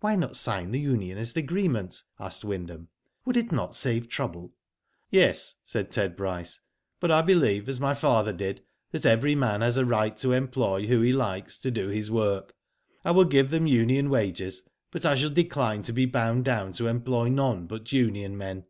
"Why not sign the unionist agreement?'* asked Wyndham. '* Would it not save trouble?'' " Yes," said Ted Bryce ;but I believe, as my father did, that every man has a right to employ who he likes to do his work. I will give them union wages; but I shall decline to be bound down to employ none but union men."